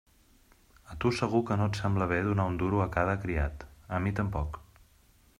A tu de segur que no et sembla bé donar un duro a cada criat; a mi tampoc.